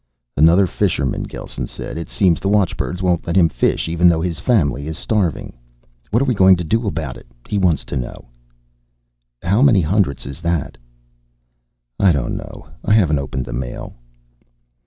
"Another fisherman," Gelsen said. "It seems the watchbirds won't let him fish even though his family is starving. What are we going to do about it, he wants to know." "How many hundred is that?" "I don't know. I haven't opened the mail."